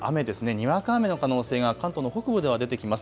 にわか雨の可能性が関東の北部では出てきます。